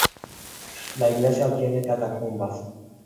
La iglesia tiene catacumbas.